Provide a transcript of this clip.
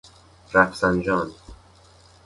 رفسنجان